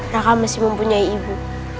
raka masih mempunyai ibu